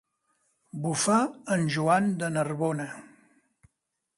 Bufar en Joan de Narbona.